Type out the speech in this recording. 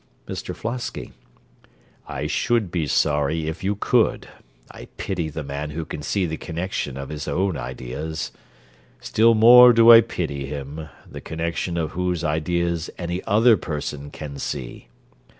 MR FLOSKY I should be sorry if you could; I pity the man who can see the connection of his own ideas. Still more do I pity him, the connection of whose ideas any other person can see.